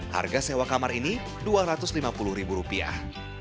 harga sewa kamar ini dua ratus lima puluh ribu rupiah